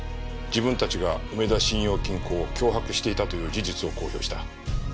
自分たちが梅田信用金庫を脅迫していたという事実を公表した。